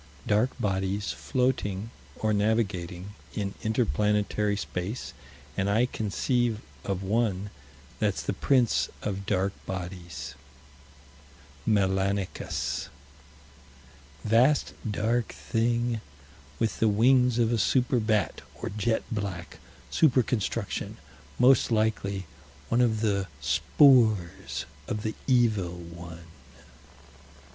Dark bodies, floating, or navigating, in inter planetary space and I conceive of one that's the Prince of Dark Bodies: Melanicus. Vast dark thing with the wings of a super bat, or jet black super construction; most likely one of the spores of the Evil One.